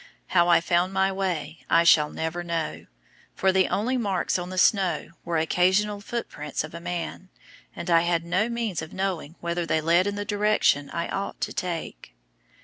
How I found my way I shall never know, for the only marks on the snow were occasional footprints of a man, and I had no means of knowing whether they led in the direction I ought to take.